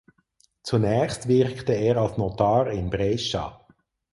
Zunächst wirkte er als Notar in Brescia.